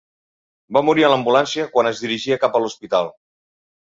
Va morir a l'ambulància quan es dirigia cap a l'hospital.